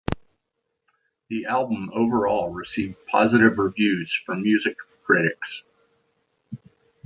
The album overall received positives reviews from music critics.